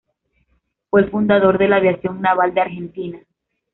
Fue el fundador de la Aviación Naval de Argentina.